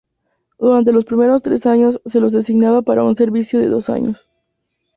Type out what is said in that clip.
Durante los primeros tres años se los designaba para un servicio de dos años.